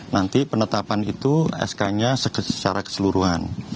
nanti penetapan itu sk nya secara keseluruhan